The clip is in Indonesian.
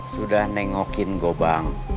sudah nengokin kok bang